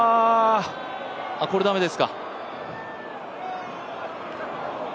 これ駄目ですか。